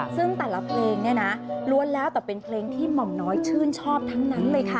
ซึ่งแต่ละเพลงเนี่ยนะล้วนแล้วแต่เป็นเพลงที่หม่อมน้อยชื่นชอบทั้งนั้นเลยค่ะ